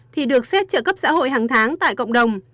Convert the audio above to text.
thì được xét trợ cấp xã hội hàng tháng tại cộng đồng